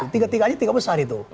tiga tiganya tiga besar itu